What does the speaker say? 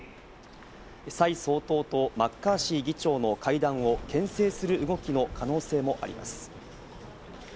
サイ総統とマッカーシー議長の会談を牽制する動きの可能性もあります。